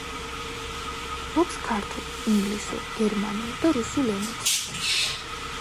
ფლობს ქართულ, ინგლისურ, გერმანულ და რუსულ ენებს.